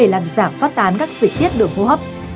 hoặc tán các dịch tiết được hô hấp